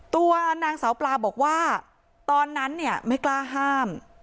ตัวนางสาวปลาบอกว่าตอนนั้นเนี่ยไม่กล้าห้าม